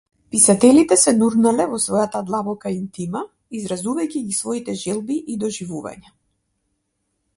Писателите се нурнале во својата длабока интима, изразувајќи ги своите желби и доживувања.